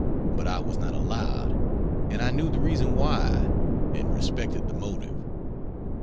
but I was not allowed and I knew the reason why, and respected the motive.